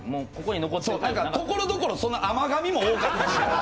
ところどころ甘がみも多かったし。